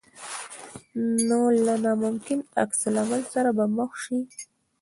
نو له ناممکن عکس العمل سره به مخ شې.